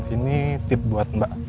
ini tip buat mbak